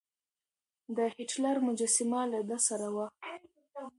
د هېټلر مجسمه له ده سره وه.